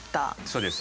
そうですね。